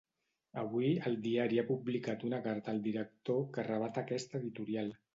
Avui, el diari ha publicat una carta al director que rebat aquest editorial.